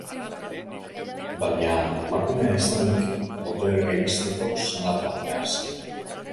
Baina, emakumea izanik, boterera iristeko senar bat behar zen.